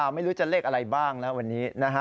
ไม่รู้จะเลขอะไรบ้างนะวันนี้นะฮะ